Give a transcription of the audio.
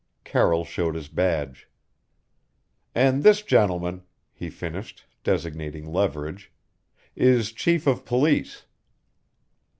Carroll showed his badge. "And this gentleman," he finished, designating Leverage, "is chief of police."